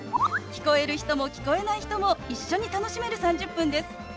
聞こえる人も聞こえない人も一緒に楽しめる３０分です。